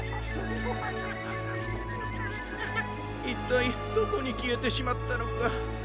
いったいどこにきえてしまったのか。